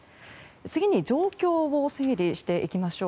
次に状況を整理していきましょう。